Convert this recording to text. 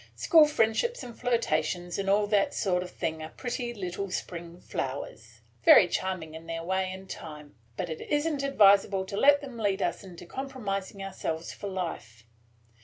School friendships and flirtations and all that sort of thing are pretty little spring flowers, – very charming in their way and time; but it is n't advisable to let them lead us into compromising ourselves for life.